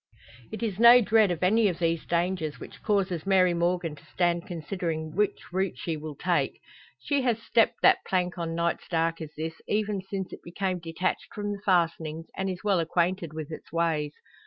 It is no dread of any of these dangers which causes Mary Morgan to stand considering which route she will take. She has stepped that plank on nights dark as this, even since it became detached from the fastenings, and is well acquainted with its ways.